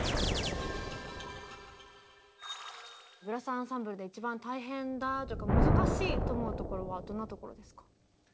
ブラス・アンサンブルで一番大変だというか難しいと思うところはどんなところですか？